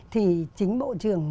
thì chính bộ trưởng